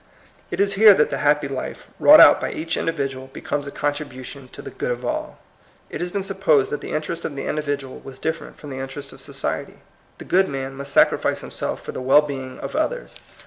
It is here that the happy life wrought out by each individual becomes a contribu tion to the good of all. It has been sup posed that the interest of the individual was different from the interest of society. The good man must sacrifice himself for the well being of others.